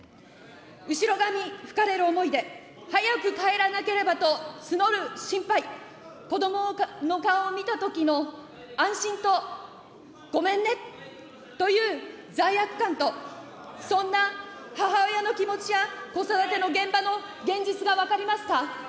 後ろ髪引かれる思いで、早く帰らなければと募る心配、子どもの顔を見たときの安心とごめんねという罪悪感と、そんな母親の気持ちや子育ての現場の現実が分かりますか。